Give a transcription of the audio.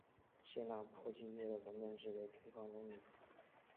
谢讷帕基耶的总面积为平方公里。